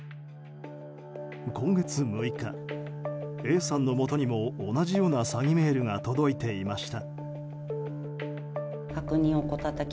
今月６日、Ａさんのもとにも同じような詐欺メールが届いていました。